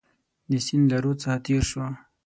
د سیند له رود څخه تېر شو.